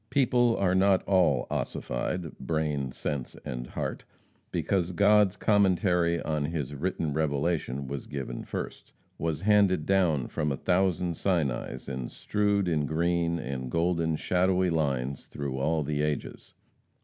People are not all ossified brain, sense and heart, because God's Commentary on his written Revelation was given first was handed down from a thousand Sinais, and strewed in green, and golden shadowy lines through all the ages.